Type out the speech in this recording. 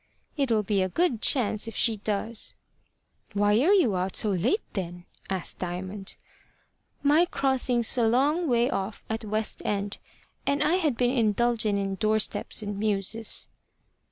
"It'll be a good chance if she does." "Why are you out so late, then?" asked Diamond. "My crossing's a long way off at the West End, and I had been indulgin' in door steps and mewses."